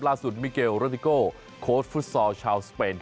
ล่าสุดมิเกลรอดิโกโคสฟุตซอลชาวสเปน